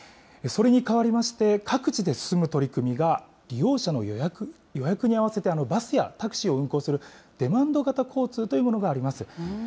それに代わりまして、各地で取り組みが利用者の予約に合わせてバスやタクシーを運行するデマンド型交通というものがあります。